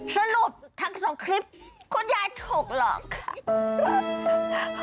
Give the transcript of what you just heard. สรุปทั้งสองคลิปคุณยายถูกหลอกค่ะ